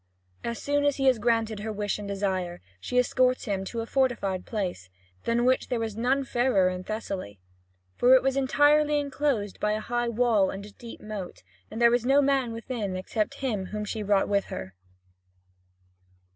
As soon as he had granted her wish and desire, she escorts him to a fortified place, than which there was none fairer in Thessaly; for it was entirely enclosed by a high wall and a deep moat, and there was no man within except him whom she brought with her.